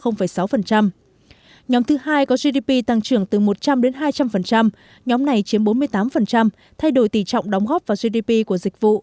nhóm thứ hai có gdp tăng trưởng từ một trăm linh đến hai trăm linh nhóm này chiếm bốn mươi tám thay đổi tỷ trọng đóng góp vào gdp của dịch vụ